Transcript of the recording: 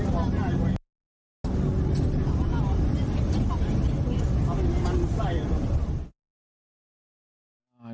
ข้าวไปตรงนู้น